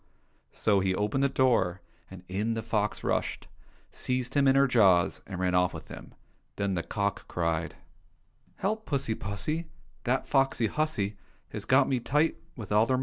" so he opened the door, and in the fox rushed, seized him in her jaws, and ran off with him. Then the cock cried :" Help I pussy pussy ! That foxy hussy Has got me tight With all her